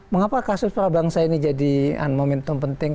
mengapa kasus prabangsa ini jadi momentum penting